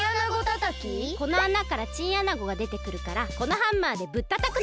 このあなからチンアナゴがでてくるからこのハンマーでぶったたくの。